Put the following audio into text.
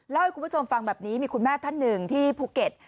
ให้คุณผู้ชมฟังแบบนี้มีคุณแม่ท่านหนึ่งที่ภูเก็ต